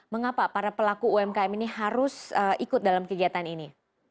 mengapa para pelaku umkm ini harus ikut dalam kegiatan ini